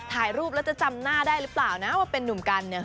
ถ่ายรูปแล้วจะจำหน้าได้หรือเปล่านะว่าเป็นนุ่มกันเนี่ย